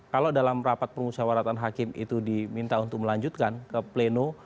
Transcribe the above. kalau dalam rapat permusyawaratan hakim itu diminta untuk melanjutkan ke pleno